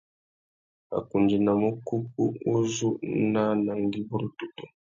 A kundzénamú : kúkú u zú nà anangüî burútutu.